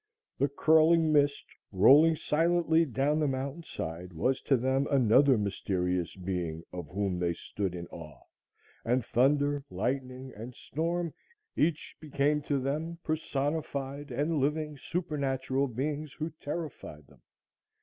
The curling mist rolling silently down the mountain side, was to them another mysterious being of whom they stood in awe, and thunder, lightning and storm each became to them personified and living supernatural beings who terrified them.